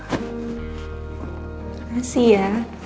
terima kasih ya